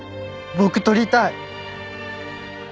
僕撮りたい！